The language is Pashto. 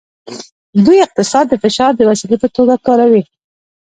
دوی اقتصاد د فشار د وسیلې په توګه کاروي